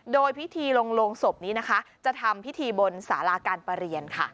โดยพิธีลงศพนี้นะคะจะทำพิธีบนสาราการประเรียนค่ะ